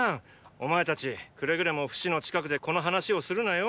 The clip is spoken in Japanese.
お前たちくれぐれもフシの近くでこの話をするなよ。